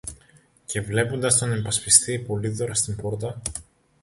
Και βλέποντας τον υπασπιστή Πολύδωρο στην πόρτα